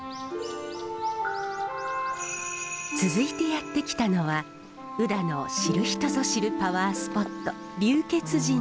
続いてやって来たのは宇陀の知る人ぞ知るパワースポット龍穴神社。